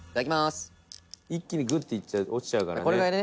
トシ：一気にグッていっちゃうと落ちちゃうからね。